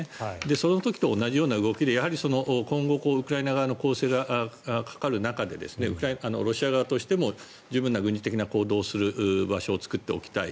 その時と同じような動きで今後ウクライナ側の攻勢がかかる中でロシア側としても十分な軍事的な行動をする場所を作っておきたい。